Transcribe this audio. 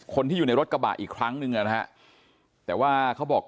คนที่อยู่ในรถกระบะอีกครั้งนึงอ่ะนะฮะแต่ว่าเขาบอก